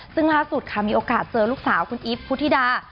ซึ่งล่าสุดค่ะมีโอกาสเจอลูกสาวคุณอีฟพุธิดา